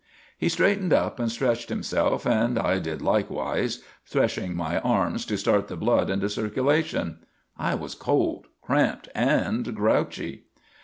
He straightened up and stretched himself and I did likewise, threshing my arms to start the blood into circulation. I was cold, cramped and grouchy.